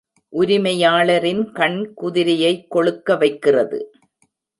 உரிமையாளரின் கண் குதிரையை கொழுக்க வைக்கிறது.